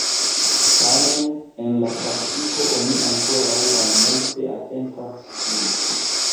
Tamen en la praktiko oni ankoraŭ malmulte atentas ĝin.